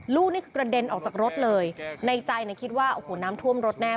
ลูกนี่คือกระเด็นออกจากรถเลยในใจเนี่ยคิดว่าโอ้โหน้ำท่วมรถแน่